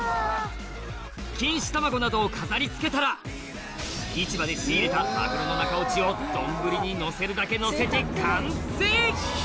錦糸卵などを飾り付けたら市場で仕入れたを丼にのせるだけのせて完成！